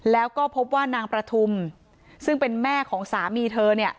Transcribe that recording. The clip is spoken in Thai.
แล้วก็พบว่านางประทุมซึ่งเป็นแม่ของสามีเธอเนี่ย